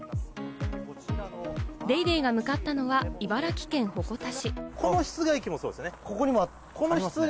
『ＤａｙＤａｙ．』が向かったのは、茨城県鉾田市。